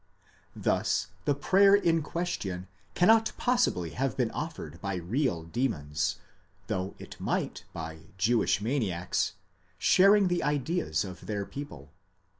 Thus the prayer in question cannot possibly have been offered by real demons, though it might by Jewish maniacs, sharing the ideas of their people.